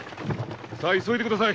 さぁ急いでください。